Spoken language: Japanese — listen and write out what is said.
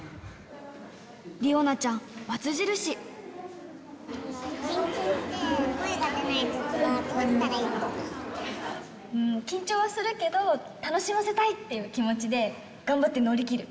理央奈ちゃん、緊張して声が出ないときは、緊張はするけど、楽しませたい！っていう気持ちで、頑張って乗り切る。